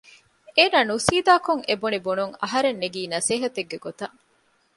އޭނާ ނުސީދާކޮށް އެ ބުނި ބުނުން އަހަރެން ނެގީ ނަސޭހަތެއްގެ ގޮތަށް